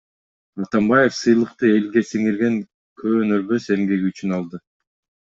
Атамбаев сыйлыкты элге сиңирген көөнөрбөс эмгеги үчүн алды.